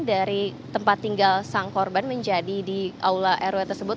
dari tempat tinggal sang korban menjadi di aula rw tersebut